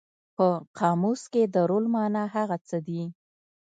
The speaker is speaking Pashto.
په قاموس کې د رول مانا هغه څه دي.